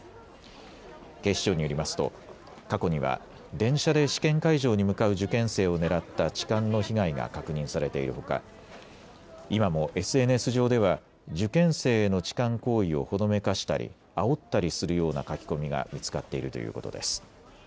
警視庁によりますと、過去には電車で試験会場に向かう受験生を狙った痴漢の被害が確認されているほか今もＳＮＳ上では受験生への痴漢行為をほのめかしたりあおったりするような書き込みが見つかっているということです。